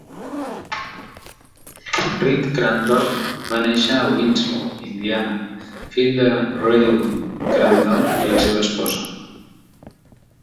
Reed Crandall va néixer a Winslow, Indiana, fill de Rayburn Crandall i la seva esposa.